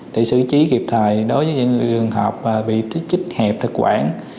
để xử trí kịp thời đối với những trường hợp bị trích hẹp thực quản